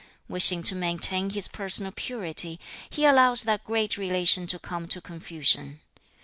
Wishing to maintain his personal purity, he allows that great relation to come to confusion.